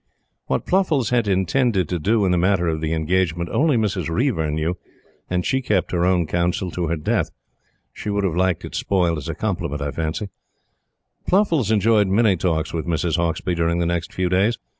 What Pluffles had intended to do in the matter of the engagement only Mrs. Reiver knew, and she kept her own counsel to her death. She would have liked it spoiled as a compliment, I fancy. Pluffles enjoyed many talks with Mrs. Hauksbee during the next few days.